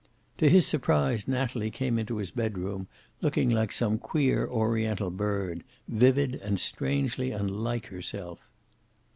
To his surprise, Natalie came into his bedroom, looking like some queer oriental bird, vivid and strangely unlike herself.